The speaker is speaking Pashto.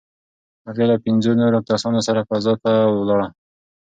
هغې له پنځو نورو کسانو سره فضا ته ولاړه.